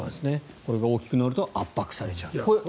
これが大きくなると圧迫されちゃう。